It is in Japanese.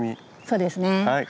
そうですね。